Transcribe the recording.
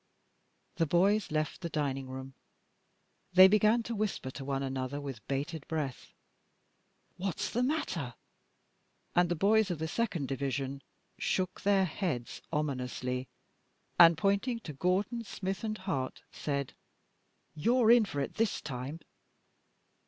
The boys left the dining room. They began to whisper to one another with bated breath. "What's the matter?" And the boys of the second division shook their heads ominously, and pointing to Gordon, Smith, and Hart, said: "You're in for it this time!"